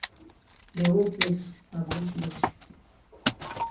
De whole place na bush bush.